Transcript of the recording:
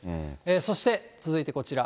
そして、続いてこちら。